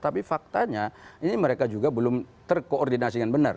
tapi faktanya ini mereka juga belum terkoordinasi dengan benar